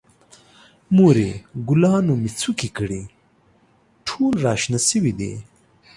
مورې، ګلانو مې څوکې کړي، ټول را شنه شوي دي.